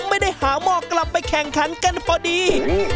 ไม่ได้หาหม้อกลับไปแข่งขันกันพอดี